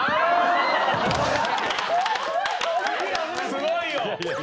すごいよ。